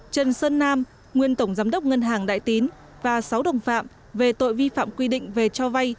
trần sơn nam nguyên tổng giám đốc ngân hàng đại tín và sáu đồng phạm về tội vi phạm quy định về cho vay